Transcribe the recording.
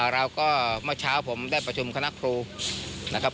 เราก็เมื่อเช้าผมได้ประชุมคณะครูนะครับ